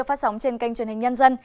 phát sóng trên kênh truyền hình nhân dân